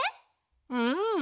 うん。